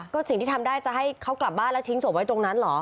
ก็สิ่งที่ทำได้จะให้เขากลับบ้านแล้วทิ้งศพไว้ตรงนั้นเหรอ